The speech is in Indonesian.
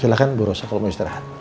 silahkan bu rosa kalau mau istirahat